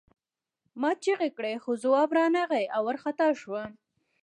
ما چیغې کړې خو ځواب را نغی او وارخطا شوم